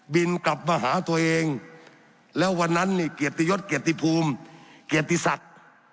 บินกลับมาหาตัวเองแล้ววันนั้นเนี่ยเกียรติยศเกียรติภูมิเกียรติศักดิ์